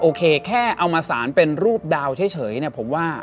โอเคแค่เอามาสารเป็นรูปดาวเฉยเนี่ยผมว่า